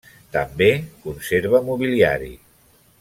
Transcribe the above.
També conserva mobiliari.